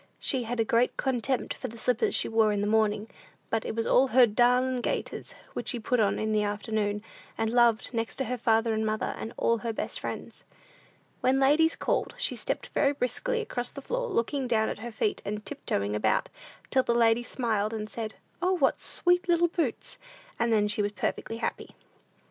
She had a great contempt for the slippers she wore in the morning, but it was her "darlin' gaiters," which she put on in the afternoon, and loved next to father and mother, and all her best friends. When ladies called, she stepped very briskly across the floor, looking down at her feet, and tiptoeing about, till the ladies smiled, and said, "O, what sweet little boots!" and then she was perfectly happy.